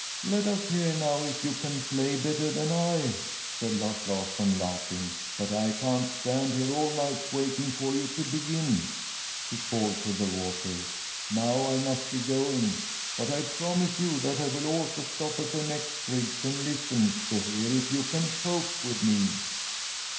Let us hear now if you can play better than I!" said Lars Larsson, laughing. "But I can't stand here all night waiting for you to begin," he called to the water. "Now I must be going; but I promise you that I will also stop at the next bridge and listen, to hear if you can cope with me."